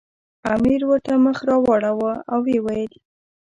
امیر ورته مخ راواړاوه او ویې ویل.